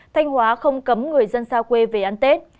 thanh hóa không cấm người dân xa quê về ăn tết